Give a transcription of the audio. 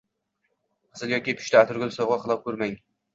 qizil yoki pushti atirgul sovg‘a qila ko‘rmang